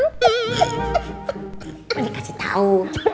gak dikasih tau